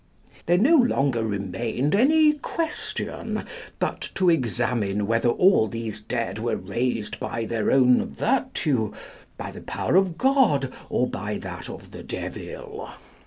There no longer remained any question, but to examine whether all these dead were raised by their own virtue, by the power of God, or by that of the devil.